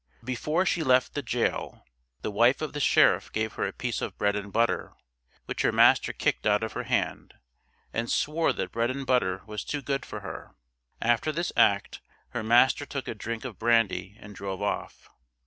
Before she left the jail, the wife of the sheriff gave her a piece of bread and butter, which her master kicked out of her hand, and swore that bread and butter was too good for her. After this act her master took a drink of brandy and drove off.